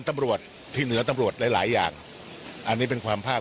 ตำรวจที่เหนือตำรวจหลายหลายอย่างอันนี้เป็นความภาพ